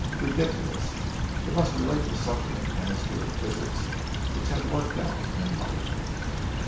Ridiculous! It must relate to something in chemistry and physics, which had worked out in life.